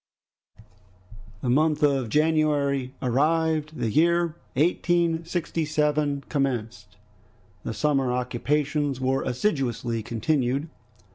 The month of January arrived. The year 1867 commenced. The summer occupations were assiduously continued.